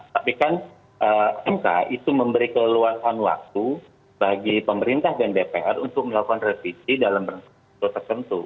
tapi kan mk itu memberi keleluasan waktu bagi pemerintah dan dpr untuk melakukan revisi dalam bentuk tertentu